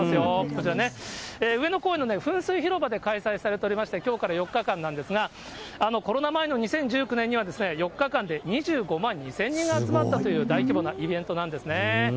こちらね、上野公園の噴水広場で開催されておりまして、きょうから４日間なんですが、コロナ前の２０１９年には、４日間で２５万２０００人が集まったという、大規模なイベントなんですね。